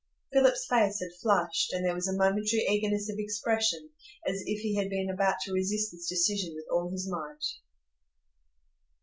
Philip's face had flushed, and there was a momentary eagerness of expression, as if he had been about to resist this decision with all his might.